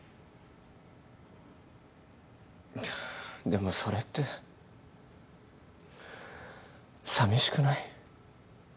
でもそれってさみしくない？